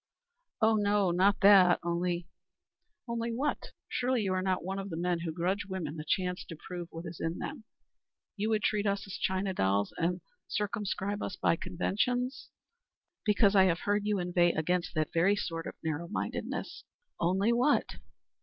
"Oh, no; not that. Only " "Only what? Surely you are not one of the men who grudge women the chance to prove what is in them who would treat us like china dolls and circumscribe us by conventions? I know you are not, because I have heard you inveigh against that very sort of narrow mindedness. Only what?"